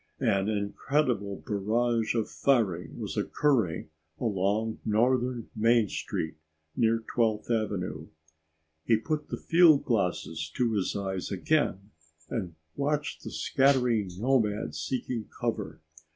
An incredible barrage of firing was occurring along northern Main Street near 12th Avenue. He put the fieldglasses to his eyes again and watched the scattering nomads seeking cover.